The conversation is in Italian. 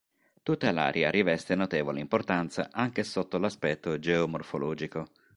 Tutta l'area riveste notevole importanza anche sotto l'aspetto geomorfologico.